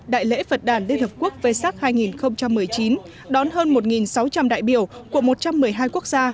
đại lễ phật đàn liên hợp quốc vơ sát hai nghìn một mươi chín đón hơn một sáu trăm linh đại biểu của một trăm một mươi hai quốc gia